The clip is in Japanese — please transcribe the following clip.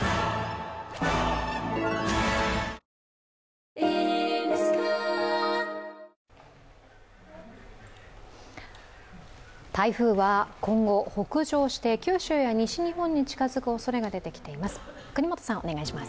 台風は今後、北上して九州や西日本に近づくおそれが出てきています。